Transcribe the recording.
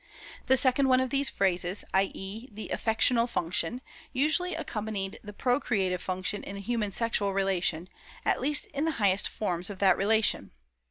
The second one of these phases, i. e., the affectional function, usually accompanied the procreative function in the human sexual relation, at least in the highest forms of that relation.